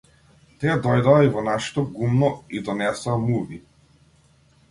Тие дојдоа и во нашето гумно и донесоа муви.